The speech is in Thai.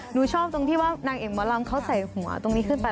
หนูชอบตรงที่ว่านางเอกหมอลำเขาใส่หัวตรงนี้ขึ้นไป